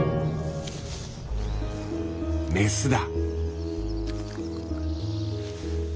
メスだ。